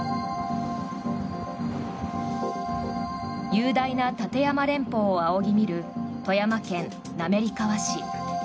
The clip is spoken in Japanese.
雄大な立山連峰を仰ぎ見る富山県滑川市。